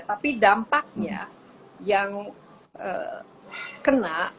tapi dampaknya yang kena